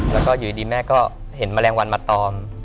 แล้วก็อยู่ดีแม่ก็เห็นแมลงวันมาตอม